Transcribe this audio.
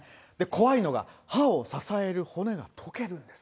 怖いのが、歯を支える骨が溶けるんです。